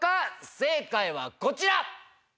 正解はこちら！